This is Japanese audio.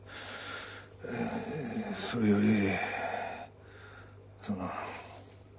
それよりその。